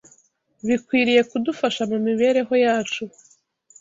bikwiriye kudufasha mu mibereho yacu.